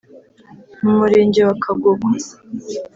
mu Murenge wa Kagogo